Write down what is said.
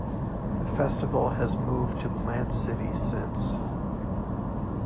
The Festival has moved to Plant City since.